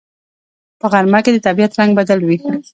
په غرمه کې د طبیعت رنگ بدل وي